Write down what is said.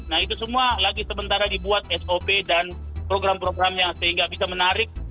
nah itu semua lagi sementara dibuat sop dan program programnya sehingga bisa menarik